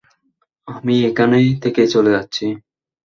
আমি এখানে থেকে চলে যাচ্ছি।